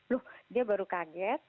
loh dia baru kaget